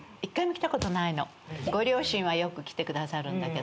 ご両親はよく来てくださるんだけど。